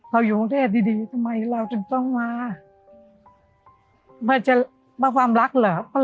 เราอยู่หังเทศดีดีทำไมเราจนต้องมามันจะมาความรักเหรอ